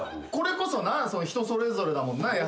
これこそな人それぞれだもんな。